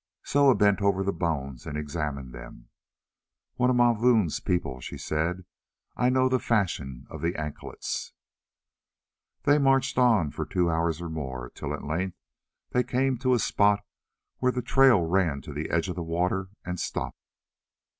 Soa bent over the bones and examined them. "One of Mavoom's people," she said; "I know the fashion of the anklets." Then they marched on for two hours or more, till at length they came to a spot where the trail ran to the edge of the water and stopped.